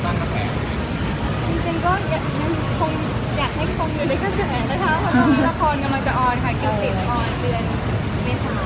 มันก็เป็นแค่บอกย้ำเลยค่ะว่า